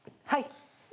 はい。